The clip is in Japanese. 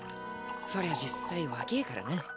そりゃ実際若ぇからな。